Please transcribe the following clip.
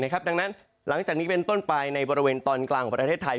ดังนั้นหลังจากนี้เป็นต้นไปในบริเวณตอนกลางของประเทศไทย